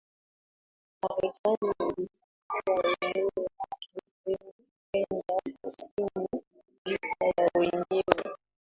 Marekani ilipanua eneo lake kwenda kusini Vita ya wenyewe